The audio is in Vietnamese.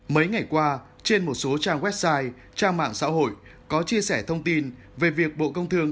mấy ngày qua trên một số trang website trang mạng xã hội có chia sẻ thông tin về việc bộ công thương